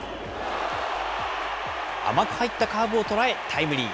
甘く入ったカーブを捉え、タイムリー。